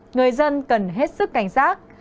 người dân cần hết sức cảnh giác